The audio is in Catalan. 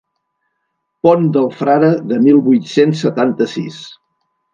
Pont del frare de mil vuit-cents setanta-sis.